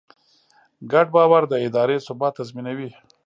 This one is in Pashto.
ګډ باور د ادارې ثبات تضمینوي.